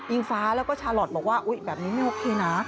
ฟ้าแล้วก็ชาลอทบอกว่าอุ๊ยแบบนี้ไม่โอเคนะ